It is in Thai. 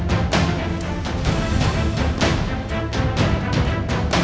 โปรดติดตามตอนต่อไป